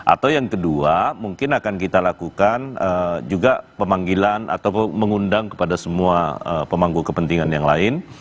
atau yang kedua mungkin akan kita lakukan juga pemanggilan atau mengundang kepada semua pemangku kepentingan yang lain